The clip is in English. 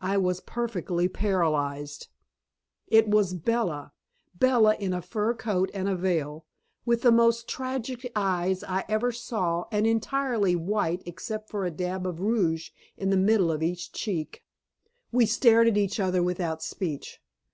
I was perfectly paralyzed. It was Bella! Bella in a fur coat and a veil, with the most tragic eyes I ever saw and entirely white except for a dab of rouge in the middle of each cheek. We stared at each other without speech.